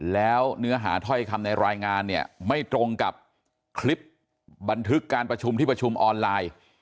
แล้วเนื้อหาถ้อยคำในรายงานเนี่ยไม่ตรงกับคลิปบันทึกการประชุมที่ประชุมออนไลน์